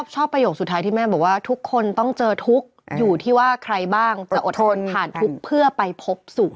ประโยคสุดท้ายที่แม่บอกว่าทุกคนต้องเจอทุกข์อยู่ที่ว่าใครบ้างจะอดทนผ่านทุกข์เพื่อไปพบสุข